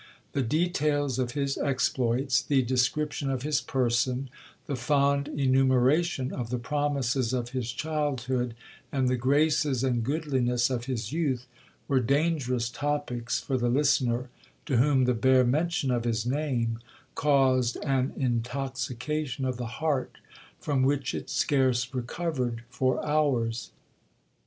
The details of his exploits, the description of his person, the fond enumeration of the promises of his childhood, and the graces and goodliness of his youth, were dangerous topics for the listener, to whom the bare mention of his name caused an intoxication of the heart, from which it scarce recovered for hours.